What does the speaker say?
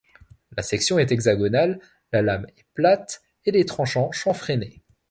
La section est hexagonale, la lame est plate et les tranchants chanfreinés.